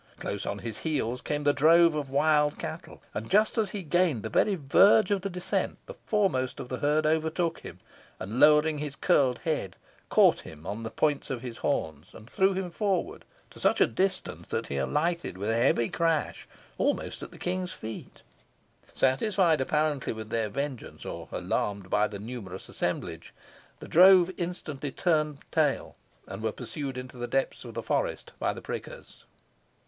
Close on his heels came the drove of wild cattle, and, just as he gained the very verge of the descent, the foremost of the herd overtook him, and lowering his curled head, caught him on the points of his horns, and threw him forwards to such a distance that he alighted with a heavy crash almost at the King's feet. Satisfied, apparently, with their vengeance, or alarmed by the numerous assemblage, the drove instantly turned tail and were pursued into the depths of the forest by the prickers.